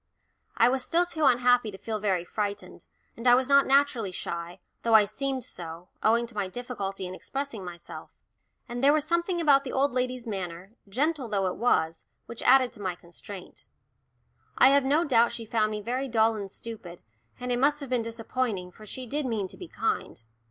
I was still too unhappy to feel very frightened, and I was not naturally shy, though I seemed so, owing to my difficulty in expressing myself. And there was something about the old lady's manner, gentle though she was, which added to my constraint. I have no doubt she found me very dull and stupid, and it must have been disappointing, for she did mean to be kind.